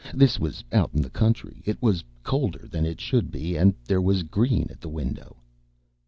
This was out in the country. It was colder than it should be and there was green at the window.